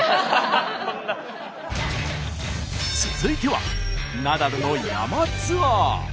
続いてはナダルの山ツアー。